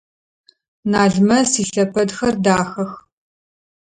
Налмэс илъэпэдхэр дахэх.